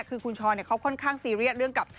คือคุณช้อนเขาค่อนข้างซีเรียสเรื่องกับ